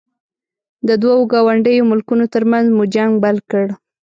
د دوو ګاونډیو ملکونو ترمنځ مو جنګ بل کړ.